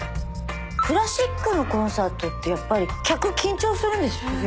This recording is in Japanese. クラシックのコンサートってやっぱり客緊張するんですよ。